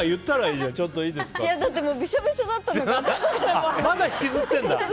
だってびしょびしょだったから。